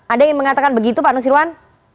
ada yang mengatakan begitu pak nusirwan